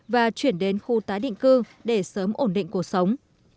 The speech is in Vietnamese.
và chuyển đến khu tái định cư để sớm ổn định cuộc sống